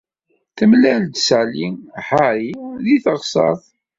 Temlal-d Sally Harry deg teɣsert.